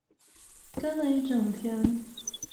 跟了一整天